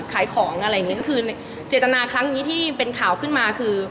ขายของอะไรอย่างเงี้ก็คือเจตนาครั้งนี้ที่เป็นข่าวขึ้นมาคือ